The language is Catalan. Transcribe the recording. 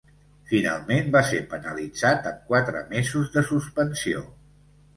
Finalment va ser penalitzat amb quatre mesos de suspensió.